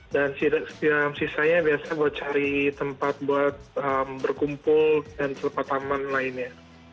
dan sisanya biasanya buat cari tempat buat berkumpul dan tempat taman lainnya